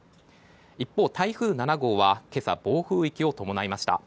一方、台風７号は今朝暴風域を伴いました。